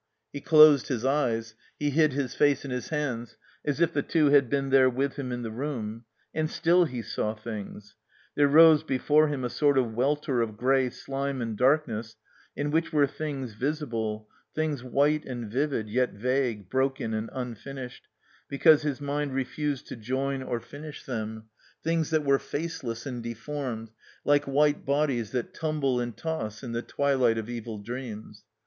He dosed his eyes, he hid his face in his hands, as if the two had been there with him in the room. And still he saw things. Hiere rose before him a sort of welter of gray slime and dark* ness in which were things visible, things white and vivid, yet vague, broken and imfinished, because his mind refused to join or finish them ; things that were faceless and deformed, like white bodies that tumble and toss in the twilight of evil dreams.